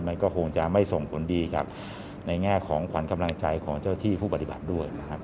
มันก็คงจะไม่ส่งผลดีกับในแง่ของขวัญกำลังใจของเจ้าที่ผู้ปฏิบัติด้วยนะครับ